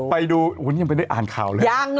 ไปดูอู๊ยตอนนี้จนไม่ได้อ่านข่าวเลย